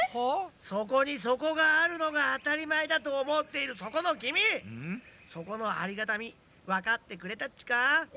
そこにそこがあるのがあたりまえだとおもっているそこのきみそこのありがたみわかってくれたっちか？